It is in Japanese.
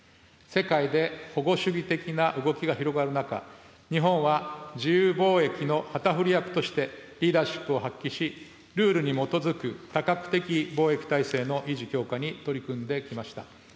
世界で保護主義的な動きが広がる中、日本は自由貿易の旗振り役として、リーダーシップを発揮し、ルールに基づく多角的貿易体制の維持、強化に取り組んできました。